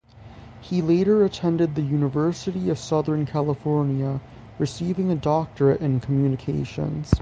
He later attended the University of Southern California, receiving a doctorate in communications.